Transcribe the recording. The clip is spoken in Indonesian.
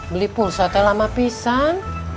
beli pulsa setelah mau pisang